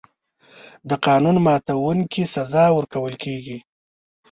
د قانون ماتونکي سزا ورکول کېږي.